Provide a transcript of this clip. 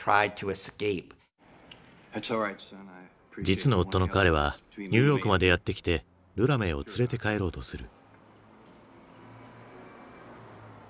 実の夫の彼はニューヨークまでやって来てルラメーを連れて帰ろうとする。